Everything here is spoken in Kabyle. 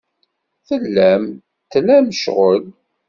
Tellam tlam ccɣel.